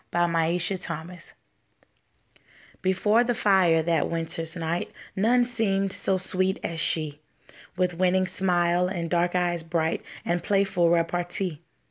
Y Z And So Did I Before the fire, that winter's night None seemed so sweet as she, With winning smile, and dark eyes bright, And playful repartee.